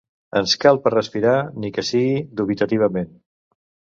Ens cal per respirar, ni que sigui dubitativament.